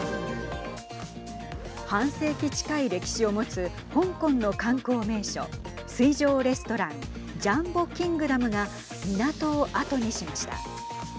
半世紀近い歴史を持つ香港の観光名所水上レストランジャンボ・キングダムが港を後にしました。